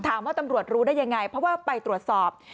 ตำรวจรู้ได้ยังไงเพราะว่าไปตรวจสอบ